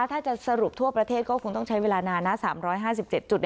ถ้าจะสรุปทั่วประเทศก็คงต้องใช้เวลานานนะสามร้อยห้าสิบเจ็ดจุด